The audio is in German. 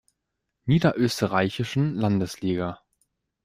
Niederösterreichischen Landesliga.